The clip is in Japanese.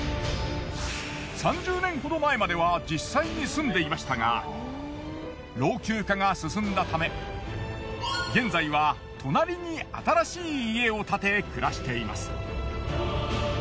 ３０年ほど前までは実際に住んでいましたが老朽化が進んだため現在は隣に新しい家を建て暮らしています。